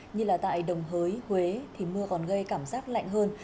như là tại đồng hới huế thì mưa còn gây cảm giác lạnh hơn